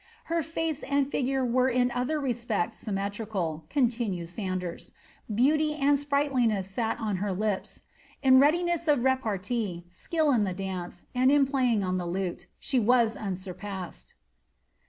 Her face and figure were in other respects symme trical," continues Sanders ;^^ beauty and sprightliness sat on her lips ; in readiness of repartee, skill in the dance, and in playing on the lute, she was unsurpassed."